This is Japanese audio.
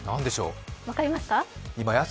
分かりますか？